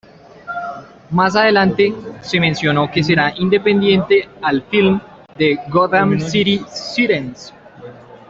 Más adelante, se mencionó que será independiente al filme de Gotham City Sirens.